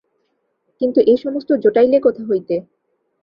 কিন্তু এ-সমস্ত জোটাইলে কোথা হইতে?